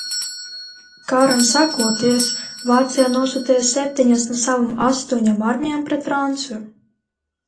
Karam sākoties, Vācija nosūtīja septiņas no savām astoņām armijām pret Franciju.